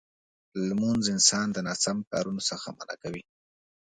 لمونځ انسان د ناسم کارونو څخه منع کوي.